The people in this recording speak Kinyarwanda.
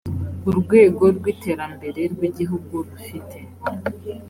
urwego rw iterambere rw igihugu rufite